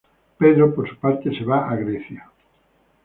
Pedro, por su parte, se va a Grecia.